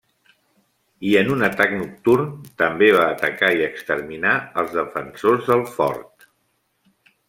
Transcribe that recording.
I en un atac nocturn també va atacar i exterminar als defensors del fort.